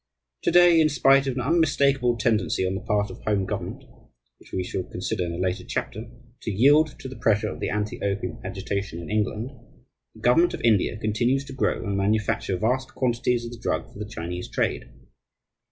To day, in spite of an unmistakable tendency on the part of the Home government (which we shall consider in a later chapter) to yield to the pressure of the anti opium agitation in England, the government of India continues to grow and manufacture vast quantities of the drug for the Chinese trade.